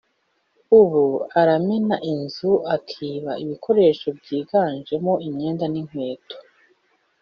ubu aramena inzu akiba ibikoresho byiganjemo imyenda n’inkweto